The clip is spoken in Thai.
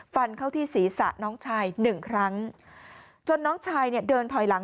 ฟันเข้าที่ศีรษะน้องชายหนึ่งครั้งจนน้องชายเนี่ยเดินถอยหลัง